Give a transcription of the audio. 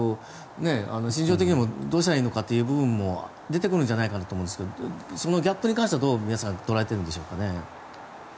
心情的にもどうしたらいいのかって部分も出てくるんじゃないかなと思いますがそのギャップに関しては皆さんどう捉えているんですかね。